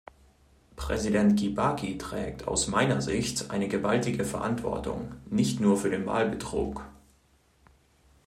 Präsident Kibaki trägt aus meiner Sicht eine gewaltige Verantwortung, nicht nur für den Wahlbetrug.